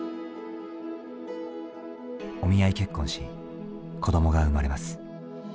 お見合い結婚し子どもが生まれます。